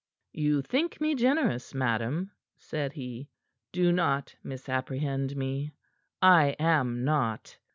"You think me generous, madam," said he. "Do not misapprehend me. I am not.